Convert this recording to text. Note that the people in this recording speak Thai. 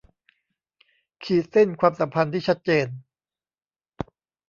ขีดเส้นความสัมพันธ์ที่ชัดเจน